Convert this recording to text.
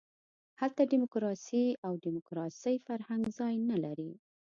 هلته ډیموکراسي او د ډیموکراسۍ فرهنګ ځای نه لري.